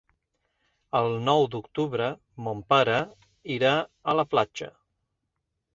El nou d'octubre mon pare irà a la platja.